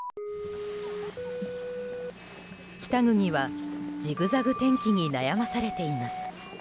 北国はジグザグ天気に悩まされています。